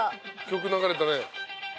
曲流れたね。